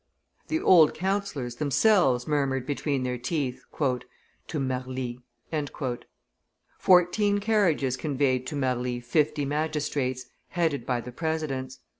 The old councillors themselves murmured between their teeth, "To Marly!" Fourteen carriages conveyed to Marly fifty magistrates, headed by the presidents.